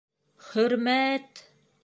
— Хөрмә-әт!..